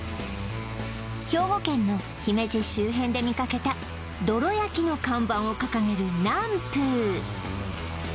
兵庫県の姫路周辺で見かけた「どろ焼」の看板を掲げる喃風